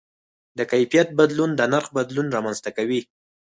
د کیفیت بدلون د نرخ بدلون رامنځته کوي.